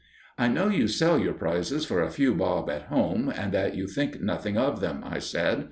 "I know you sell your prizes for a few bob at home, and that you think nothing of them," I said.